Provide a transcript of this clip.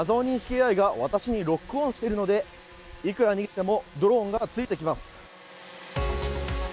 ＡＩが私にロックオンしているので幾ら逃げてもドローンが付いてきます。